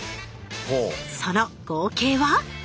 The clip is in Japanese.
その合計は？